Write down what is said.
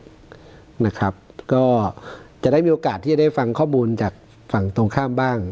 ซึ่งก็จะได้มีโอกาสที่จะได้ฟังข้อมูลจากตรงข้ามบ้าง